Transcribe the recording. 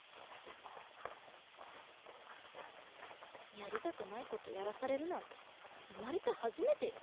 やりたくないことやらされるなんて生まれて初めてよ。